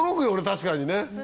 確かにね。